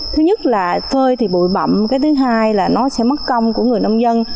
thứ nhất là phơi thì bụi bậm cái thứ hai là nó sẽ mất công của người nông dân